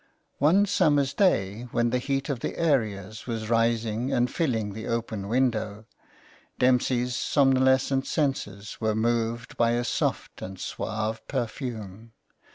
One summer's day, when the heat of the areas was rising and filling the open window, Dempsey's somnolescent senses were moved by a soft and suave perfume.